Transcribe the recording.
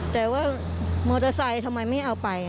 แต่ว่ามอเตอร์ไซค์ทำไมไม่เอาไป